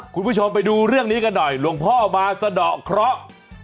คุณผู้ชมไปดูเรื่องนี้กันหน่อยหลวงพ่อมาสะดอกเคราะห์